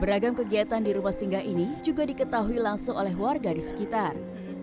beragam kegiatan di rumah singgah ini juga diketahui langsung oleh warga di sekitar